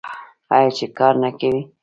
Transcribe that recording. آیا چې کار نه کوي؟